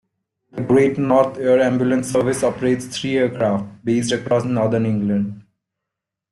The Great North Air Ambulance Service operates three aircraft, based across northern England.